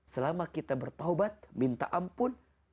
selama kita bertaubat minta ampun